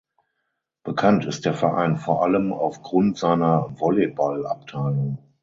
Bekannt ist der Verein vor allem aufgrund seiner Volleyballabteilung.